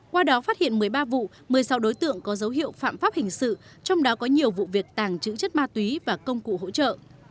qua đó phát hiện một mươi ba vụ một mươi sáu đối tượng có dấu hiệu phạm pháp hình sự trong đó có nhiều vụ việc tàng trữ chất ma túy và công cụ hỗ trợ